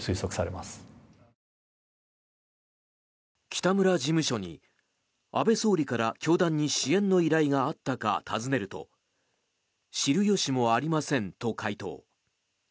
北村事務所に安倍総理から教団に支援の依頼があったか尋ねると知る由もありませんと回答。